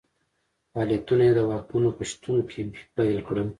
فعالیتونه یې د واکمنو په شتون کې پیل کړل.